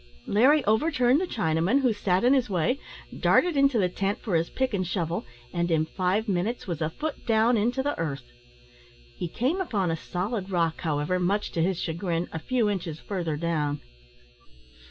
Larry overturned the Chinaman, who sat in his way, darted into the tent for his pick and shovel, and in five minutes was a foot down into the earth. He came upon a solid rock, however, much to his chagrin, a few inches further down.